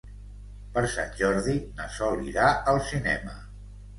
Per Sant Jordi na Sol irà al cinema.